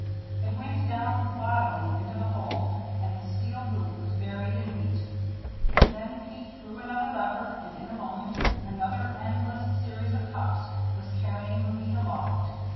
It went down bodily into the hold and the steel boot was buried in wheat. Then Pete threw another lever, and in a moment another endless series of cups was carrying the wheat aloft.